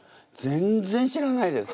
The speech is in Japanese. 全然知らないです。